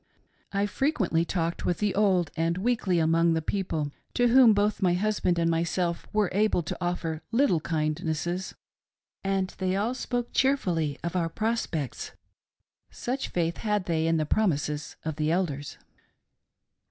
I frequently talked with ■ the old and weakly among the people, to whom both my hus band and myseK were able to offer little kindnesses, and they all spoke cheerfully of our prospects. Such faith had they^in the promises of the Elders.